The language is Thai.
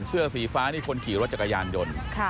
เสื้อสีฟ้านี่คนขี่รถจักรยานยนต์